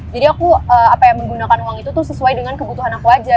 jadi aku apa yang menggunakan uang itu tuh sesuai dengan kebutuhan aku aja